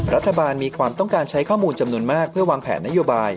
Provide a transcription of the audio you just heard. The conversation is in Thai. รัฐบาลมีความต้องการใช้ข้อมูลจำนวนมากเพื่อวางแผนนโยบาย